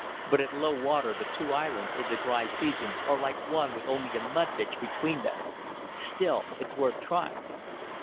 But at low water the two islands, in the dry season, are like one with only a mud ditch between them. Still, it's worth trying."